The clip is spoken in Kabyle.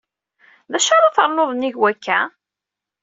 D acu ara ternuḍ nnig wakka?